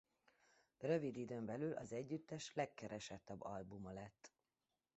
Rövid időn belül az együttes legkeresettebb albuma lett.